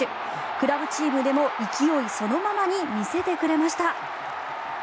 クラブチームでも勢いそのままに見せてくれました。